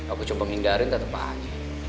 aku coba ngindarin teteh apa aja